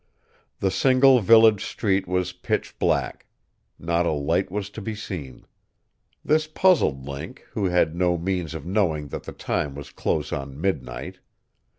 The single village street was pitch black. Not a light was to be seen. This puzzled Link; who had no means of knowing that the time was close on midnight.